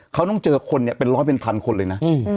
เขาต้องเจอคนเนี่ยเป็นร้อยเป็นพันคนเลยนะ